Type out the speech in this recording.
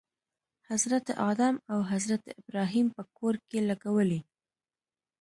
حضرت آدم او حضرت ابراهیم په کور کې لګولی.